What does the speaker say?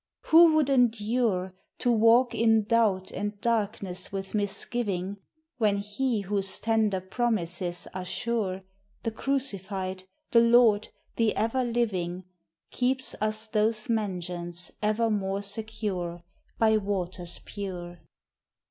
" Who would endure " To walk in doubt and darkness with misgiving, When he whose tender promises are sure — The Crucified, the Lord, the Ever living — Keeps us those " mansions " evermore secure By waters pure?